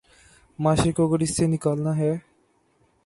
معاشرے کو اگر اس سے نکالنا ہے۔